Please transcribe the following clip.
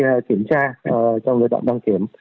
để kiểm tra trong đoạn đăng kiểm